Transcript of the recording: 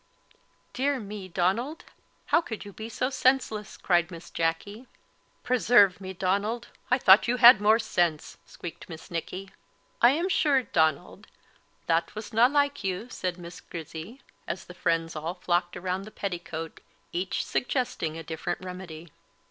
"Dear me, Donald, how could you be so senseless?" cried Miss Jacky. "Preserve me, Donald, I thought you had more sense!" squeaked Miss Nicky. "I am sure, Donald, that was na like you!" said Miss Grizzy, as the friends all flocked around the petticoat, each suggesting a different remedy.